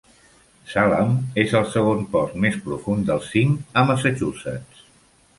Salem és el segon port més profund dels cinc a Massachusetts.